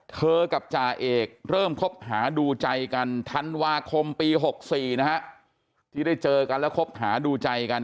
เธอกับจ่าเอกเริ่มคบหาดูใจกันธันวาคมปี๖๔นะฮะที่ได้เจอกันแล้วคบหาดูใจกัน